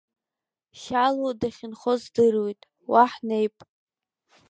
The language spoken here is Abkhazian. Шьалуа дахьынхо здыруеит, уа ҳнеип.